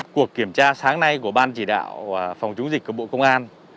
cuộc kiểm tra sáng nay của ban chỉ đạo phòng chúng dịch cơ bộ công an